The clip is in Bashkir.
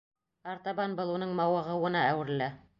Артабан был уның мауығыуына әүерелә.